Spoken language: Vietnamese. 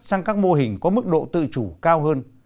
sang các mô hình có mức độ tự chủ cao hơn